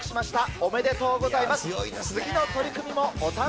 おめでとうございます。